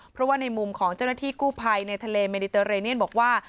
เพราะว่าในมุมของเจ้าหน้าที่กู้ภัยในทะเลเมดิเตอร์เรเนียนบอกว่า